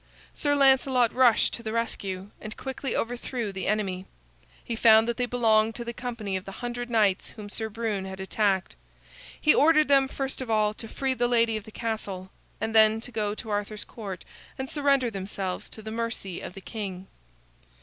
Sir Lancelot rushed to the rescue and quickly overthrew the enemy. He found that they belonged to the company of the hundred knights whom Sir Brune had attacked. He ordered them, first of all, to free the lady of the castle, and then to go to Arthur's Court and surrender themselves to the mercy of the king.